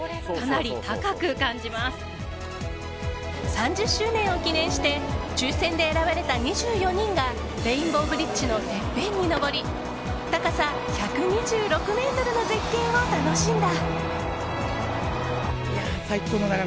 ３０周年を記念して抽選で選ばれた２４人がレインボーブリッジのてっぺんに登り高さ１２６ｍの絶景を楽しんだ。